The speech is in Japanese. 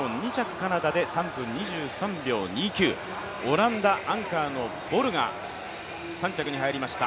カナダで３分２３秒２９、オランダ、アンカーのボルが３着に入りました。